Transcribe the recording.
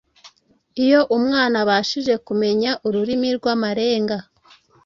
Iyo umwana abashije kumenya ururimi rw’amarenga